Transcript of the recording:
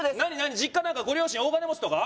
実家何かご両親大金持ちとか？